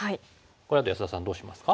これだと安田さんどうしますか？